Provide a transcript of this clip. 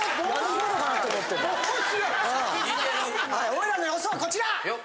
おいらの予想はこちら！